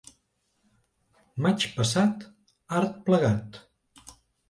Maig passat, art plegat.